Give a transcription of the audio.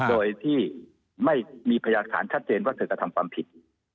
โดยที่ไม่มีพยาฐานชัดเจนว่าเธอกระทำความผิด